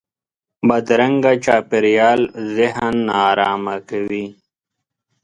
بدرنګه چاپېریال ذهن نارامه کوي